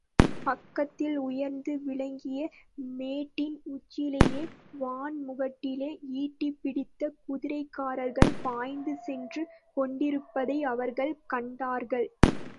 பக்கத்தில் உயர்ந்து விளங்கிய மேட்டின் உச்சியிலே வான்முகட்டிலே ஈட்டி பிடித்த குதிரைக்காரர்கள் பாய்ந்து சென்று கொண்டிருப்பதை அவர்கள் கண்டார்கள்.